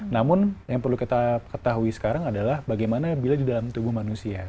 namun yang perlu kita ketahui sekarang adalah bagaimana bila di dalam tubuh manusia